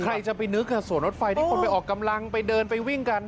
ใครจะไปนึกสวนรถไฟที่คนไปออกกำลังไปเดินไปวิ่งกัน